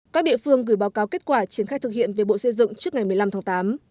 các địa phương gửi báo cáo kết quả triển khai thực hiện về bộ xây dựng trước ngày một mươi năm tháng tám